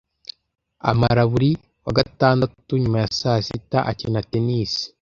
Amara buri wa gatandatu nyuma ya saa sita akina tennis.